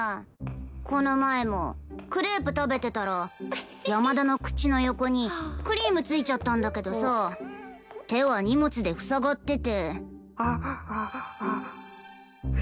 この前もクレープ食べてたら山田の口の横にクリームついちゃったんだけどさ手は荷物で塞がってて。